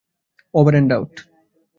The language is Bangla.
Over and out.